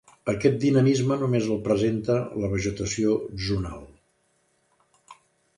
Aquest dinamisme només el presenta la vegetació zonal.